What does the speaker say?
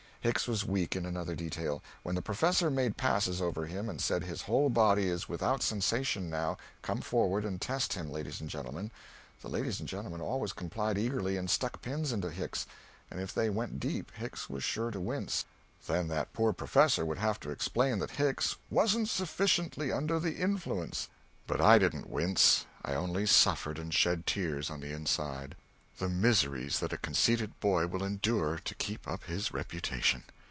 Hicks was weak in another detail. When the professor made passes over him and said "his whole body is without sensation now come forward and test him, ladies and gentlemen," the ladies and gentlemen always complied eagerly, and stuck pins into Hicks, and if they went deep Hicks was sure to wince, then that poor professor would have to explain that Hicks "wasn't sufficiently under the influence." But I didn't wince; I only suffered, and shed tears on the inside. The miseries that a conceited boy will endure to keep up his "reputation"!